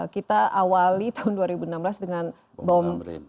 kita awali tahun dua ribu enam belas dengan bom